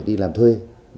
đi làm thuê